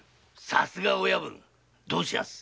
さすが親分どうしやす？